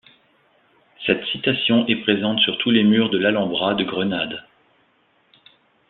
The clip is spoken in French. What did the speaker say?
Cette citation est présente sur tous les murs de l'Alhambra de Grenade.